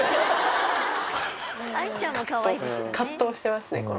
葛藤してますね。